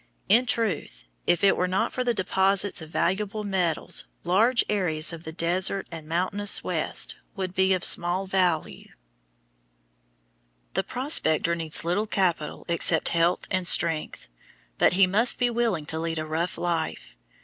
In truth, if it were not for the deposits of valuable metals, large areas of the desert and mountainous West would be of small value. [Illustration: FIG. 96. A PROSPECTOR IN THE DESERT] The prospector needs little capital except health and strength, but he must be willing to lead a rough life.